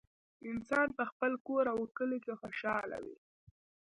انسان په خپل کور او کلي کې خوشحاله وي